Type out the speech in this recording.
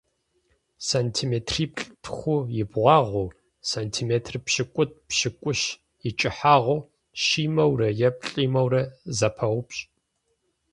Сантиметриплӏ-тху и бгъуагъыу, сантиметр пщыкӏутӏ-пщыкӏущ и кӀыхьагъыу щимэурэ е плӀимэурэ зэпаупщӀ.